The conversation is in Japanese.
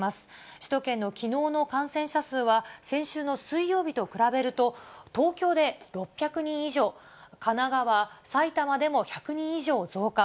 首都圏のきのうの感染者数は先週の水曜日と比べると東京で６００人以上、神奈川、埼玉でも１００人以上増加。